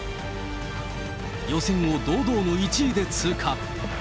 予選を堂々の１位で通過。